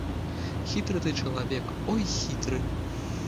Хітры ты чалавек, ой хітры!